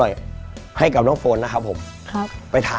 น้องไมโครโฟนจากทีมมังกรจิ๋วเจ้าพญา